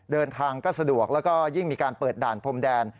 เดินทางก็สะดวกแล้วก็ยิ่งมีการเปิดด่านพรมแดน